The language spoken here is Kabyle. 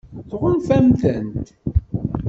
Tɣunfam-tent?